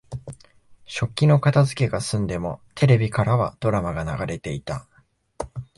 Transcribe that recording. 食器の片づけが済んでも、テレビからはドラマが流れていた。